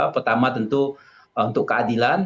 pertama tentu untuk keadilan